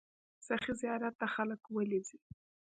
سخي زیارت ته خلک ولې ځي؟